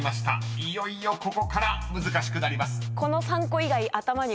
［いよいよここから難しくなります］